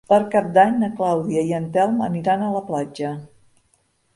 Per Cap d'Any na Clàudia i en Telm aniran a la platja.